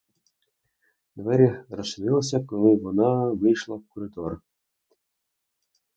Двері розчинилися — вона вийшла в коридор.